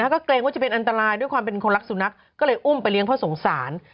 ก็เกรงว่าจะเป็นอันตรายด้วยความเป็นคนรักสุนัขก็เลยอุ้มไปเลี้ยเพราะสงสาร